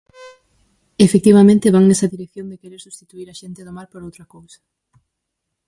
Efectivamente, van nesa dirección de querer substituír a xente do mar por outra cousa.